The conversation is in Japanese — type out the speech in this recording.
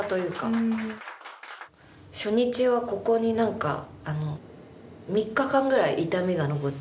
初日はここに３日間ぐらい痛みが残って。